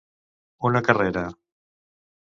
Una carrera.